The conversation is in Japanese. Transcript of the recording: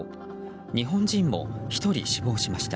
日本人も１人死亡しました。